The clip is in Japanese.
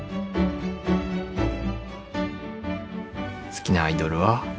好きなアイドルは。